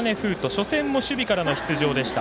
初戦も守備からの出場でした。